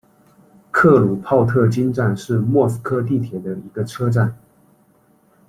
克鲁泡特金站是莫斯科地铁的一个车站。